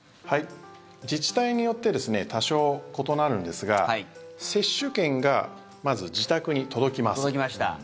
自治体によって多少異なるんですが接種券がまず、自宅に届きます。